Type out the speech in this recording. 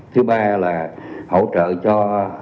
thứ ba là hỗ trợ cho